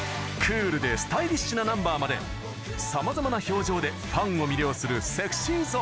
クールでスタイリッシュなナンバーまでさまざまな表情で、ファンを魅了するＳｅｘｙＺｏｎｅ。